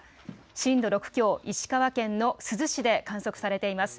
震度６強、石川県の珠洲市で観測されています。